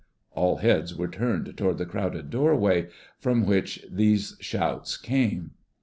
All heads were turned toward the crowded doorways from which these shouts came.